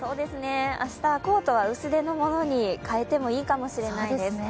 明日はコートは薄手のものに変えてもいいかもしれないです。